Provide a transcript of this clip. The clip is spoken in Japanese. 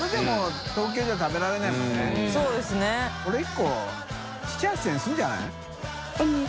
海譯姥７８０００円するんじゃない？